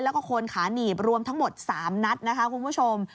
แล้วก็โคนขาหนีบรวมทั้งหมด๓นัดนะคะคุณผู้ชม